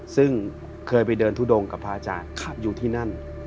ซึ่งเคยไปเดินทุดงกับพระอาจารย์อยู่ที่นั่น